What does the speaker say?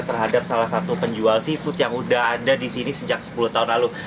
terhadap salah satu penjual seafood yang sudah ada di sini sejak sepuluh tahun lalu